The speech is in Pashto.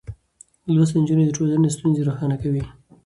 لوستې نجونې د ټولنې ستونزې روښانه کوي.